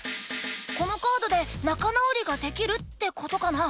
このカードで仲直りができるってことかな？